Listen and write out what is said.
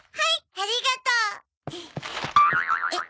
ありがとう！えっ？